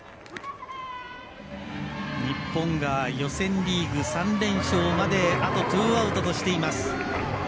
日本が予選リーグ３連勝まであとツーアウトとしています。